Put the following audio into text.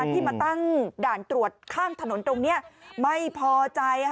ที่มาตั้งด่านตรวจข้างถนนตรงนี้ไม่พอใจ